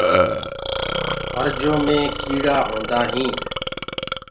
مرجو مي ڪيڙآ هوندآ هين۔